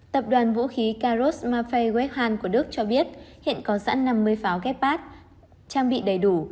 tập đoàn vũ khí kaross maffei weckhahn của đức cho biết hiện có sẵn năm mươi pháo gepard trang bị đầy đủ